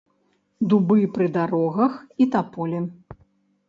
Дубы пры дарогах і таполі.